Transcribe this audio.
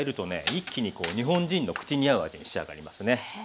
一気に日本人の口に合う味に仕上がりますね。